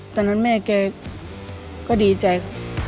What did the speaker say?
ตอนนั้นแม่แกก็ดีใจ